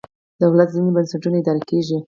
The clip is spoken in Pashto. دولت ځینې بنسټونه اداره کېږي.